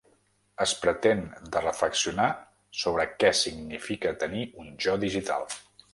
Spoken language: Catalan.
Es pretén de reflexionar sobre què significa tenir un jo digital.